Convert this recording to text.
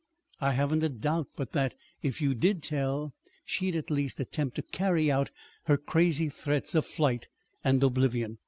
I haven't a doubt but that, if you did tell, she'd at least attempt to carry out her crazy threats of flight and oblivion.